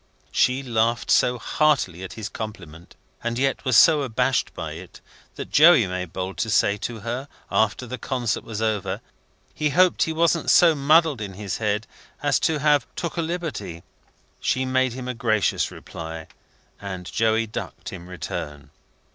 She laughed so heartily at his compliment, and yet was so abashed by it, that Joey made bold to say to her, after the concert was over, he hoped he wasn't so muddled in his head as to have took a liberty? She made him a gracious reply, and Joey ducked in return.